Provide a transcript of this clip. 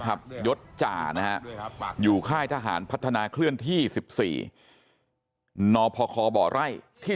ยศจ่านะฮะอยู่ค่ายทหารพัฒนาเคลื่อนที่๑๔นพคบ่อไร่ที่